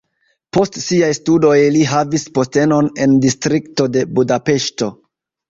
Post siaj studoj li havis postenon en distrikto de Budapeŝto.